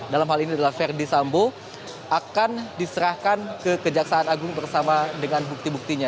dalam hal ini adalah verdi sambo akan diserahkan ke kejaksaan agung bersama dengan bukti buktinya